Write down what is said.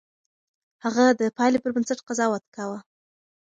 هغه د پايلې پر بنسټ قضاوت کاوه.